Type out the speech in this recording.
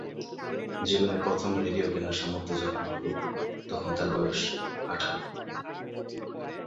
জীবনে প্রথম রেডিও কেনার সামর্থ্য যখন হলো, তখন তার বয়স আঠারো।